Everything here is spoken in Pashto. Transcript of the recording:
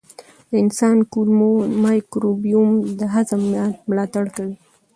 د انسان کولمو مایکروبیوم د هضم ملاتړ کوي.